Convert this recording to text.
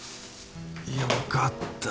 よかった